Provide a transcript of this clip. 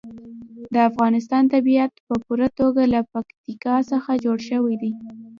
د افغانستان طبیعت په پوره توګه له پکتیکا څخه جوړ شوی دی.